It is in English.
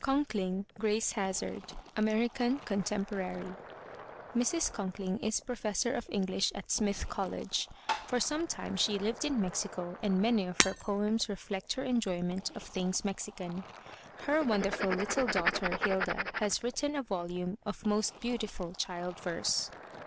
CONKLING, GRACE HAZARD (American, contemporary) Mrs. Conkling is professor of English at Smith College. For some time she lived in Mexico and many of her poems reflect her enjoyment of things Mexican. Her wonderful little daughter, Hilda, has written a volume of most beautiful child verse.